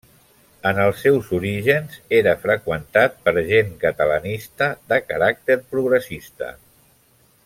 En els seus orígens era freqüentat per gent catalanista de caràcter progressista.